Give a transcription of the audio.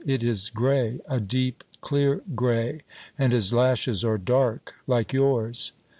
It is grey, a deep clear grey, and his lashes are dark, like yours.